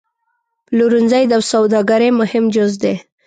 پلورنځی د سوداګرۍ مهم جز دی.